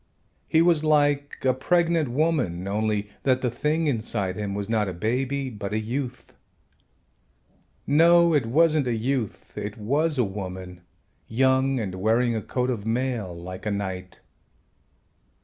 He was like a pregnant woman, only that the thing inside him was not a baby but a youth. No, it wasn't a youth, it was a woman, young, and wearing a coat of mail like a knight.